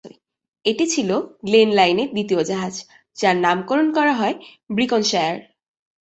এটি ছিল গ্লেন লাইনের দ্বিতীয় জাহাজ, যার নামকরণ করা হয় "ব্রিকনশায়ার"।